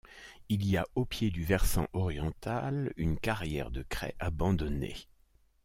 Il y a au pied du versant oriental une carrière de craie abandonnée.